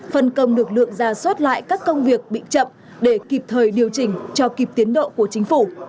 phân công lực lượng ra soát lại các công việc bị chậm để kịp thời điều chỉnh cho kịp tiến độ của chính phủ